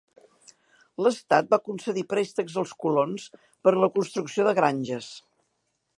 L'Estat va concedir préstecs als colons per a la construcció de granges.